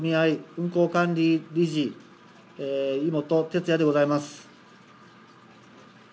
運行管理理事、井本哲也でございます。